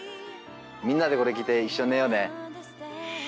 みんなでこれ着て一緒に寝ようね。